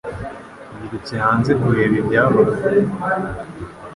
Yirutse hanze kureba ibyabaye